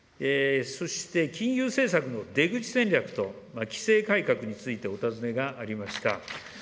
そして、金融政策の出口戦略と規制改革についてお尋ねがありました。